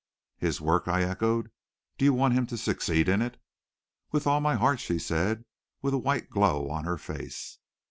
"His work?" I echoed. "Do you want him to succeed in it?" "With all my heart," she said, with a white glow on her face.